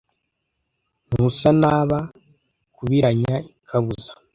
Ntusa naba kubiranya ikabuza